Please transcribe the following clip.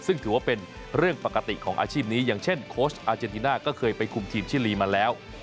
ซึ่งถือว่าเป็นเรื่องปกติของอาชีพนี้อย่างเช่นโค้ชอาเจนติน่าก็เคยไปคุมทีมชิลีมาแล้ว